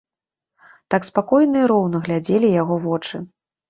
Так спакойна і роўна глядзелі яго вочы.